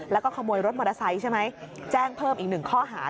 แล้วก็ขโมยรถมอเตอร์ไซค์ใช่ไหมแจ้งเพิ่มอีกหนึ่งข้อหา